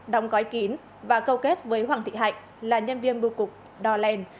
đóng gói kín và câu kết với hoàng thị hạnh là nhân viên bưu cục đò lèn